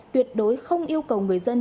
tuyệt đối không yêu cầu người dân